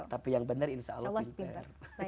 tapi yang benar insya allah pinter